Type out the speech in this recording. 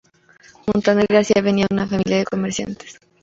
Montaner García venía de una familia de comerciantes.